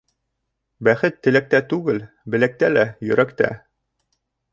Бәхет теләктә түгел, беләктә лә, йөрәктә.